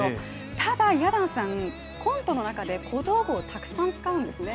ただ、や団さん、コントの中で小道具をたくさん使うんですね。